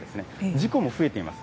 事故も増えています。